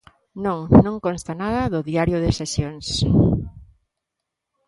Non, non consta nada no Diario de Sesións.